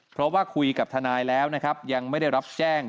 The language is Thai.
เพราะว่าคุยกับทนายแล้วนะครับยังไม่ได้รับแจ้ง